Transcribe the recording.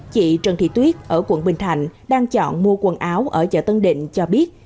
chị trần thị tuyết ở quận bình thạnh đang chọn mua quần áo ở chợ tân định cho biết